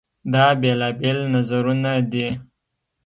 دا بېلابېل نظرونه دي.